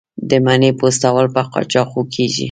د مڼې پوستول په چاقو کیږي.